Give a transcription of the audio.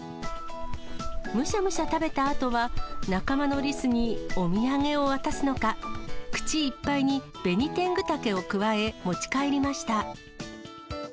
むしゃむしゃ食べたあとは、仲間のリスにお土産を渡すのか、口いっぱいにベニテングタケをくわえ持ち帰りました。